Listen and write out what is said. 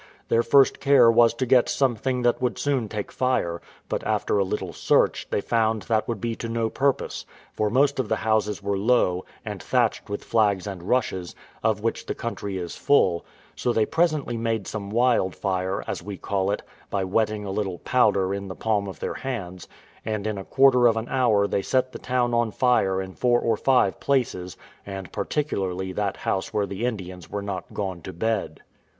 Their first care was to get something that would soon take fire, but, after a little search, they found that would be to no purpose; for most of the houses were low, and thatched with flags and rushes, of which the country is full; so they presently made some wildfire, as we call it, by wetting a little powder in the palm of their hands, and in a quarter of an hour they set the town on fire in four or five places, and particularly that house where the Indians were not gone to bed.